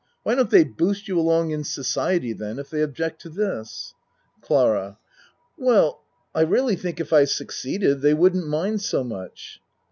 Why don't they boost you along in society then, if they object to this? CLARA Well, I really think if I succeeded, they wouldn't mind so much.